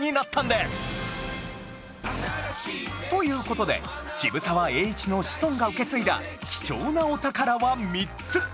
という事で渋沢栄一のシソンが受け継いだ貴重なお宝は３つ